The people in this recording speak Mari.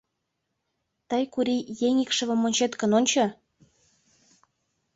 — Тый, Курий, еҥ икшывым ончет гын, ончо.